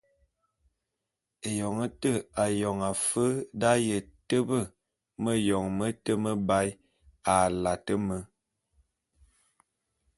Éyoň té ayong afe d’aye tebe méyoñ mete mebae a late me.